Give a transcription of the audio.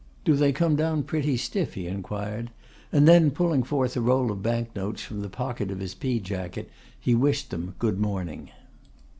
'Do they come down pretty stiff?' he inquired, and then, pulling forth a roll of bank notes from the pocket of his pea jacket, he wished them good morning.